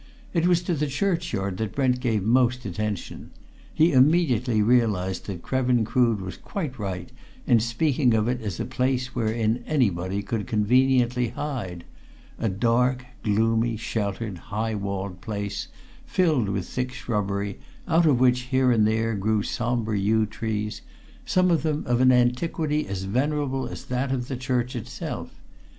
It was to the churchyard that Brent gave most attention; he immediately realized that Krevin Crood was quite right in speaking of it as a place wherein anybody could conveniently hide a dark, gloomy, sheltered, high walled place, filled with thick shrubbery, out of which, here and there, grew sombre yew trees, some of them of an antiquity as venerable as that of the church itself.